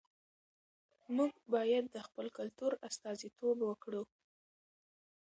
موږ بايد د خپل کلتور استازیتوب وکړو.